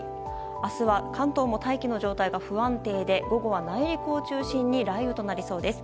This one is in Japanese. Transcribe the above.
明日は関東も大気の状態が不安定で午後は内陸を中心に雷雨となりそうです。